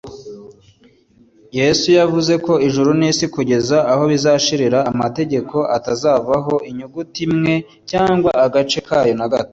yesu yavuzeko “ijuru n’isi kugeza aho bizashirira, amategeko atazavaho inyuguti imwe cyangwa agace kayo gato,